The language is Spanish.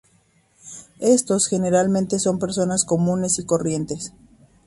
Estos generalmente son personas comunes y corrientes.